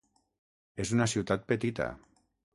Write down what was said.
És una ciutat petita.